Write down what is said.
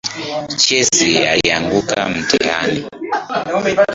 Chesi alianguka mtihani.